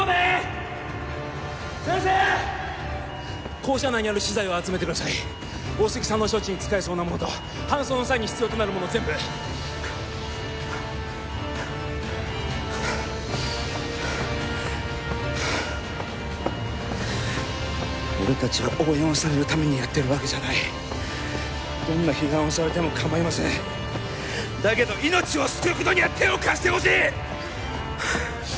校舎内にある資材を集めてください大杉さんの処置に使えそうなものと搬送の際に必要となるもの全部俺達は応援をされるためにやってるわけじゃないどんな批判をされても構いませんだけど命を救うことには手を貸してほしい！